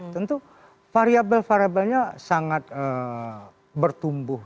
tentu variable variabelnya sangat bertumbuh